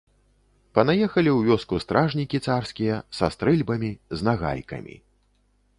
Панаехалі ў вёску стражнікі царскія, са стрэльбамі, з нагайкамі.